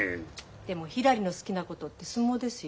でもひらりの好きなことって相撲ですよ。